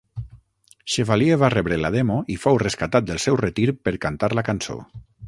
Chevalier va rebre la demo i fou rescatat del seu retir per cantar la cançó.